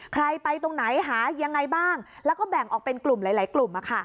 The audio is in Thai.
ใครไปตรงไหนหายังไงบ้างแล้วก็แบ่งออกเป็นกลุ่มหลายกลุ่ม